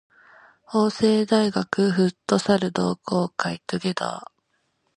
法政大学フットサル同好会 together